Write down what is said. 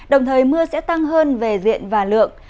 đồng thời mưa sẽ tăng hơn về diện và lượng